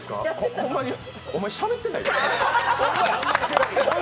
ほんまにお前、しゃべってないね。